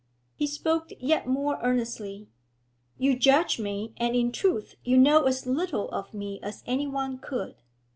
He spoke yet more earnestly. 'You judge me, and, in truth, you know as little of me as anyone could.